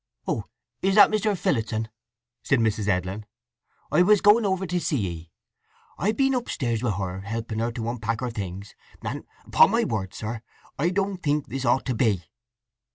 "Oh, is that Mr. Phillotson," said Mrs. Edlin. "I was going over to see 'ee. I've been upstairs with her, helping her to unpack her things; and upon my word, sir, I don't think this ought to be!"